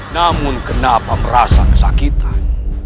namun kenapa merasa kesakitan